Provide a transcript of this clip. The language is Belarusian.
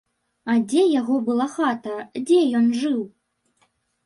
А дзе яго была хата, дзе ён жыў?